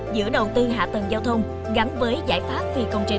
giữa đầu tư hạ tầng giao thông gắn với giải pháp phi công trình